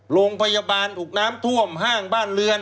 โรงพยาบาลถูกน้ำท่วมห้างบ้านเรือน